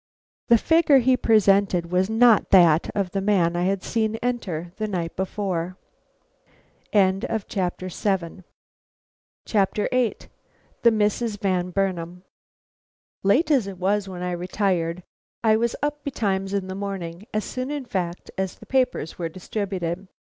The figure he presented was not that of the man I had seen enter the night before. VIII. THE MISSES VAN BURNAM. Late as it was when I retired, I was up betimes in the morning as soon, in fact, as the papers were distributed.